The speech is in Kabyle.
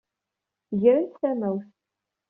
Grent tamawt.